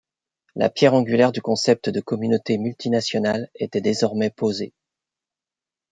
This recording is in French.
La pierre angulaire du concept de communauté multinationale était désormais posée.